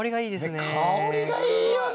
香りがいいよね！